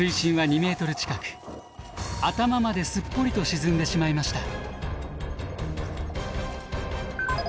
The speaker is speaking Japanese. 頭まですっぽりと沈んでしまいました。